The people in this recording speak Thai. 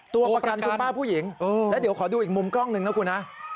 ตัวประกันคุณป้าผู้หญิงแล้วเดี๋ยวขอดูอีกมุมกล้องหนึ่งนะคุณฮะ